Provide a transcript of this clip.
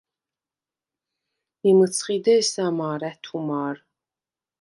მი მჷცხი დე̄სა მა̄რ, ა̈თუ მა̄რ.